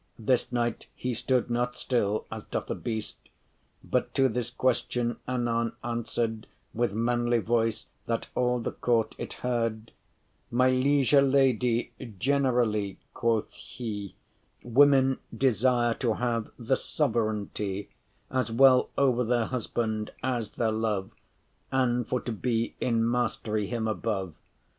This knight he stood not still, as doth a beast, But to this question anon answer’d With manly voice, that all the court it heard, “My liege lady, generally,” quoth he, “Women desire to have the sovereignty As well over their husband as their love And for to be in mast’ry him above.